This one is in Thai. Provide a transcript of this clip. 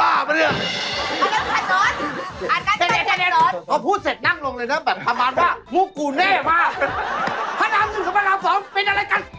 นางใหญ่ทำจากอะไร